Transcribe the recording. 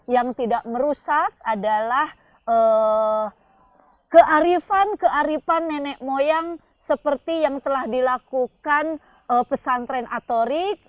yang tidak merusak adalah kearifan kearifan nenek moyang seperti yang telah dilakukan pesantren atorik